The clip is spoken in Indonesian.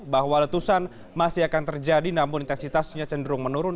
bahwa letusan masih akan terjadi namun intensitasnya cenderung menurun